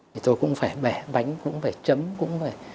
thì tôi cũng phải bẻ bánh cũng phải chấm cũng vậy